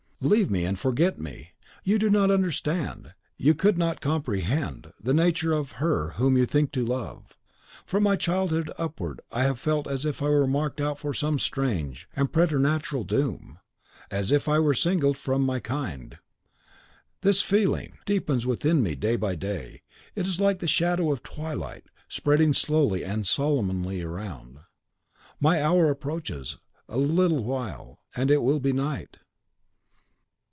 "Leave me, and forget me. You do not understand, you could not comprehend, the nature of her whom you think to love. From my childhood upward, I have felt as if I were marked out for some strange and preternatural doom; as if I were singled from my kind. This feeling (and, oh! at times it is one of delirious and vague delight, at others of the darkest gloom) deepens within me day by day. It is like the shadow of twilight, spreading slowly and solemnly around. My hour approaches: a little while, and it will be night!"